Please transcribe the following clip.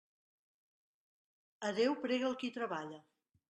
A Déu prega el qui treballa.